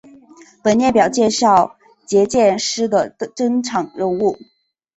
本列表介绍结界师的登场人物。